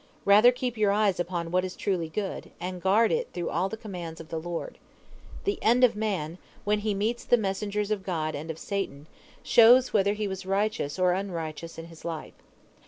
Rather keep your eyes upon what is truly good, and guard it through all the commands of the Lord. The end of man, when he meets the messengers of God and of Satan, shows whether he was righteous or unrighteous in his life.